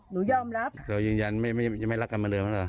หนูยอมรับเดี๋ยวยินยันไม่ไม่ไม่รักกันเหมือนเดิมหรอ